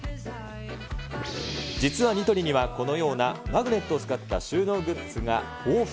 実はニトリには、このようなマグネットを使った収納グッズが豊富。